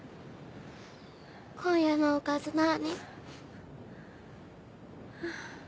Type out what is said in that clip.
今夜のおかず何？